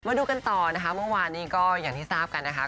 มาดูกันต่อนะคะเมื่อวานนี้ก็อย่างที่ทราบกันนะคะ